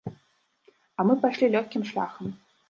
А мы пайшлі лёгкім шляхам.